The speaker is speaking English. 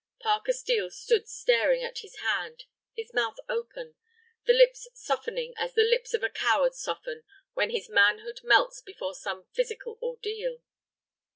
Parker Steel stood staring at his hand, his mouth open, the lips softening as the lips of a coward soften when his manhood melts before some physical ordeal.